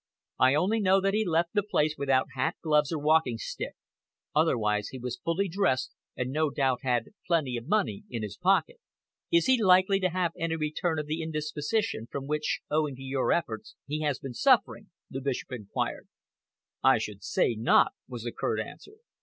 "I only know that he left the place without hat, gloves, or walking stick. Otherwise, he was fully dressed, and no doubt had plenty of money in his pocket." "Is he likely to have any return of the indisposition from which, owing to your efforts, he has been suffering?" the Bishop enquired. "I should say not," was the curt answer.